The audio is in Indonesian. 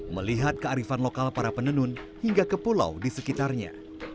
melihat kearifan lokal para penenun hingga ke pulau di sekitarnya